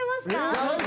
最高！